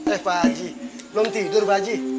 eh pak haji belum tidur pak haji